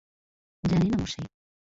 জানি না, মশাই।